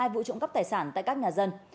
vụ trộm cấp tài sản tại các nhà dân